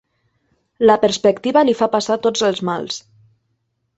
La perspectiva li fa passar tots els mals.